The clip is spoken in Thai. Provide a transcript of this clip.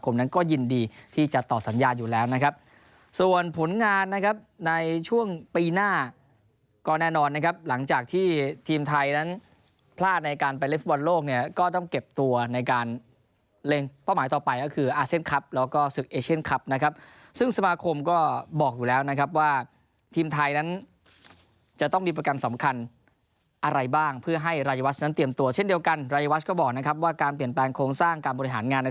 ปีหน้าก็แน่นอนนะครับหลังจากที่ทีมไทยนั้นพลาดในการไปเล่นฟุตบอลโลกเนี่ยก็ต้องเก็บตัวในการเล่นเป้าหมายต่อไปก็คืออาเซนคลับแล้วก็ศึกเอเชนคลับนะครับซึ่งสมาคมก็บอกอยู่แล้วนะครับว่าทีมไทยนั้นจะต้องมีประกันสำคัญอะไรบ้างเพื่อให้รายวัชน์นั้นเตรียมตัวเช่นเดียวกันรายวัชก็บอกนะครับว